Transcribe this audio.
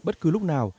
bất cứ lúc nào